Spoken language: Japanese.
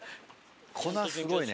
粉すごいね。